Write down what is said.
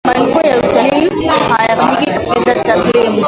malipo ya utalii hayafanyiki kwa fedha taslimu